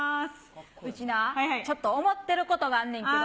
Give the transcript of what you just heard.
うちな、ちょっと思ってることがあんねんけど。